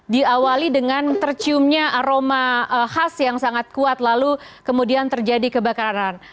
diawali dengan terciumnya aroma khas yang sangat kuat lalu kemudian terjadi kebakaran